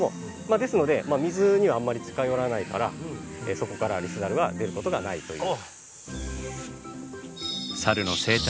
ですので水にはあんまり近寄らないからそこからリスザルは出ることがないという。